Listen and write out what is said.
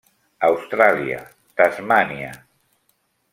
Austràlia, Tasmània.